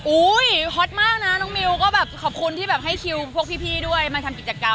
ฮอตมากนะน้องมิวก็แบบขอบคุณที่แบบให้คิวพวกพี่ด้วยมาทำกิจกรรม